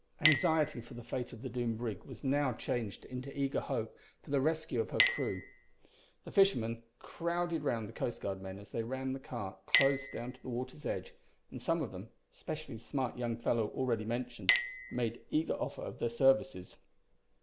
Anxiety for the fate of the doomed brig was now changed into eager hope for the rescue of her crew. The fishermen crowded round the Coast Guard men as they ran the cart close down to the water's edge, and some of them specially the smart young fellow already mentioned made eager offer of their services.